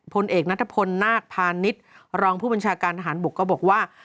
พลเอกนัทพลนาคพาณิชย์รองผู้บัญชาการทหารบกก็บอกว่า